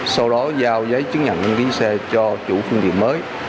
sau đó giao giấy chứng nhận đăng ký xe cho chủ phương tiện mới